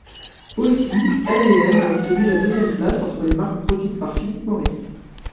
Aussi, L&M a obtenu la deuxième place entre les marques produites par Philip Morris.